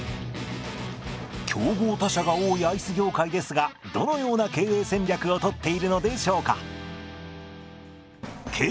競合他社が多いアイス業界ですがどのような経営戦略をとっているのでしょうか？